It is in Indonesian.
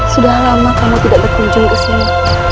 sudah lama kami tidak berkunjung ke sini